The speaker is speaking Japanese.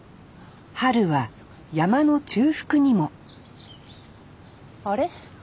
春は山の中腹にもあれ？